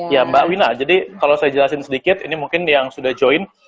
ya mbak wina jadi kalau saya jelasin sedikit ini mungkin yang sudah join